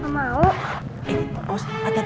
main gamenya udah dulu ya